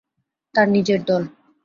তার নিজের দল।